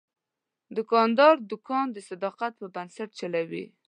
دوکاندار دوکان د صداقت په بنسټ چلوي.